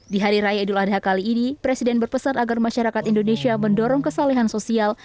di hari raya idul adha kali ini presiden berpesan agar masyarakat indonesia mendorong kesalahan sosial